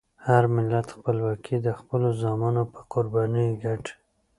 هر ملت خپلواکي د خپلو زامنو په قربانیو ګټي.